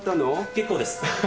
結構です。